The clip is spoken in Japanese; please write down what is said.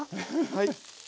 はい。